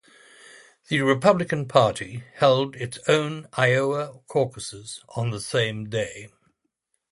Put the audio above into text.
The Republican Party held its own Iowa caucuses on the same day.